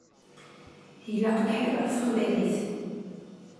Ilaq lḥir ɣef teqbaylit.